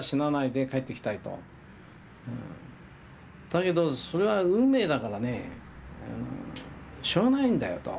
だけどそれは運命だからねしょうがないんだよと。